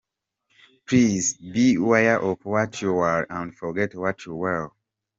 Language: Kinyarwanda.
Plz be aware of what you are and forget what you were.